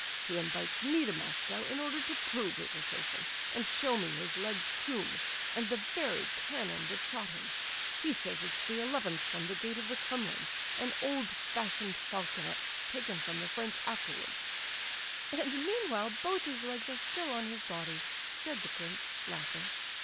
He invites me to Moscow in order to prove his assertion, and show me his leg's tomb, and the very cannon that shot him; he says it's the eleventh from the gate of the Kremlin, an old fashioned falconet taken from the French afterwards." "And, meanwhile both his legs are still on his body," said the prince, laughing.